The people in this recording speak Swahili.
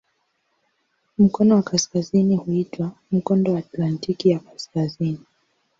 Mkono wa kaskazini huitwa "Mkondo wa Atlantiki ya Kaskazini".